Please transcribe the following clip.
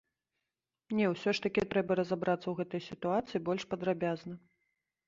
Не, усё ж такі трэба разабрацца ў гэтай сітуацыі больш падрабязна.